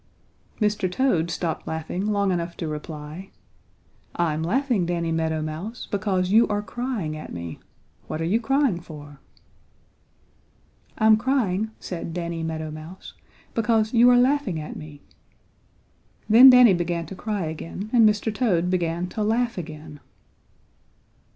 Mr. Toad stopped laughing long enough to reply: "I'm laughing, Danny Meadow Mouse, because you are crying at me. What are you crying for?" "I'm crying," said Danny Meadow Mouse, "because you are laughing at me." Then Danny began to cry again, and Mr. Toad began to laugh again.